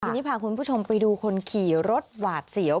ทีนี้พาคุณผู้ชมไปดูคนขี่รถหวาดเสียว